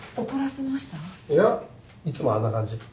いやいつもあんな感じ。